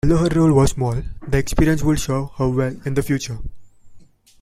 Although her role was small, the experience would serve her well in the future.